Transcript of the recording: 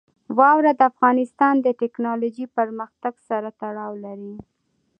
واوره د افغانستان د تکنالوژۍ پرمختګ سره تړاو لري.